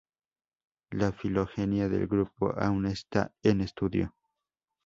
La filogenia del grupo aún está en estudio.